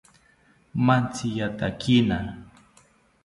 Mantziyatakina